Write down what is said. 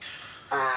ああ。